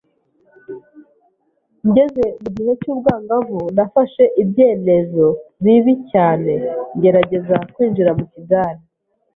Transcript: Ngeze mu gihe cy’ubwangavu nafashe ibyenezo bibi cyane ngerageza kwinjira mu kigare.